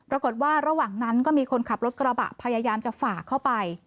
ระหว่างนั้นก็มีคนขับรถกระบะพยายามจะฝ่าเข้าไป